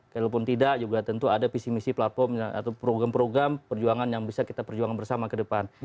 kalaupun tidak juga tentu ada visi misi platform atau program program perjuangan yang bisa kita perjuangkan bersama ke depan